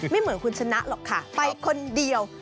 ไม่เหมือนคุณชนะหรอกค่ะไปคนเดียว